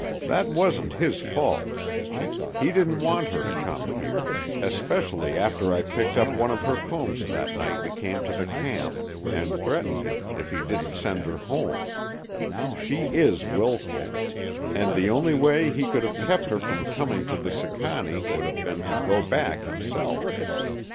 That wasn't his fault; he didn't want her to come here, especially after I picked up one of her combs that night we came to the camp, and threatened him if he didn't send her home. She is wilful. And the only way he could have kept her from coming to the Sicannie would have been to go back himself.